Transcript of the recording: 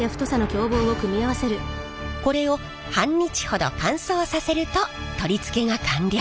これを半日ほど乾燥させると取り付けが完了。